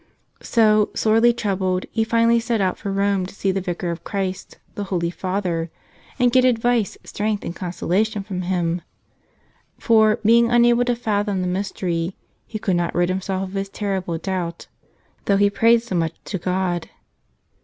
So, sorely troubled, he finally set out for Rome to see the Vicar of Christ, the Holy Father, and get advice, strength, and consola¬ tion from him. For, being unable to fathom the mys¬ tery, he could not rid himself of his terrible doubt, though he prayed so much to God.